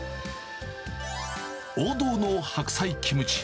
王道の白菜キムチ。